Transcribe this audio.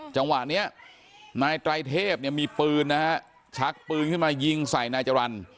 จังหวะนี้นายไตรเทพเนี่ยมีปืนนะฮะชักปืนขึ้นมายิงใส่นายจรรย์